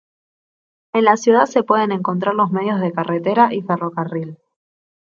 En la ciudad se pueden encontrar los medios de carretera y ferrocarril.